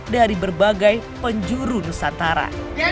dari berbagai penjuru nusantara